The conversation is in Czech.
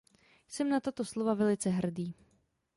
Jsem na tato slova velice hrdý.